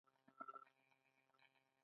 ایا زما ماشوم به ښه شي؟